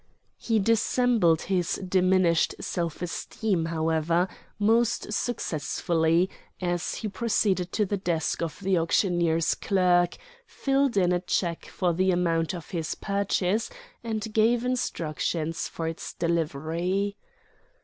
He dissembled his diminished self esteem, however, most successfully, as he proceeded to the desk of the auctioneer's clerk, filled in a cheque for the amount of his purchase, and gave instructions for its delivery.